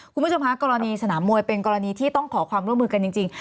คุณผู้ชมคะกรณีสนามมวยเป็นกรณีที่ต้องขอความร่วมมือกันจริง